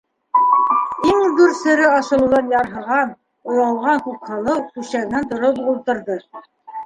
Иң ҙур сере асылыуҙан ярһыған, оялған Күкһылыу түшәгенән тороп уҡ ултырҙы: